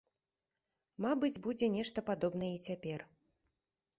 Мабыць, будзе нешта падобнае і цяпер.